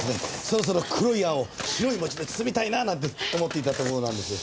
そろそろ黒いあんを白い餅で包みたいななんて思っていたところなんです。